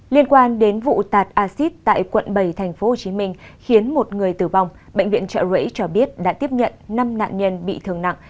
liên quan đến vụ tạt acid tại quận bảy tp hcm khiến một người tử vong bệnh viện trợ rẫy cho biết đã tiếp nhận năm nạn nhân bị thương nặng